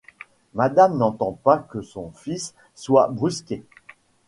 Madame n’entend pas que son fils soit brusqué.